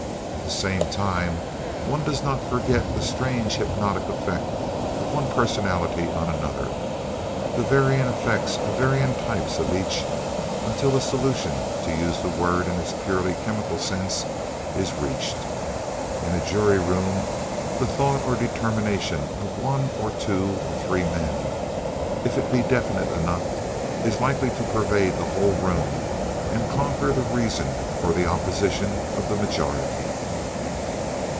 At the same time, one does not forget the strange hypnotic effect of one personality on another, the varying effects of varying types on each other, until a solution—to use the word in its purely chemical sense—is reached. In a jury room the thought or determination of one or two or three men, if it be definite enough, is likely to pervade the whole room and conquer the reason or the opposition of the majority.